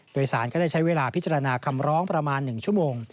โดยสารก็ได้ใช้เวลาพิจารณาคำร้องประมาณ๑ชั่วโมง